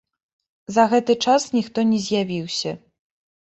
За гэты час ніхто не з'явіўся.